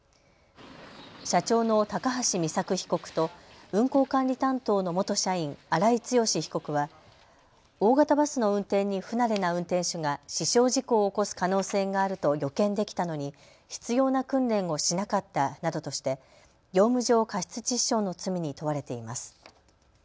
社長の高橋美作被告と運行管理担当の元社員、荒井強被告は大型バスの運転に不慣れな運転手が死傷事故を起こす可能性があると予見できたのに必要な訓練をしなかったなどとして業務上過失致死傷の罪に問われています。